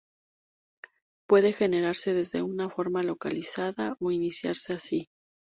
Puede generarse desde una forma localizada o iniciarse así.